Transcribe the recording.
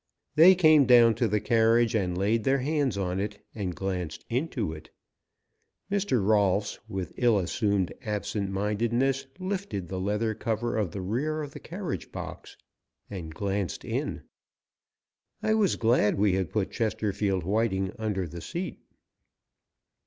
They came down to the carriage, and laid their hands on it, and glanced into it. Mr. Rolfs, with ill assumed absent mindedness, lifted the leather cover of the rear of the carriage box and glanced in. I was glad we had put Chesterfield Whiting under the seat.